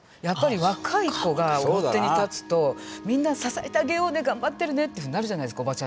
やっぱり若い子が表に立つとみんな「支えてあげようね。頑張ってるね」っていうふうになるじゃないですか